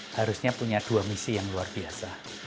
harusnya punya dua misi yang luar biasa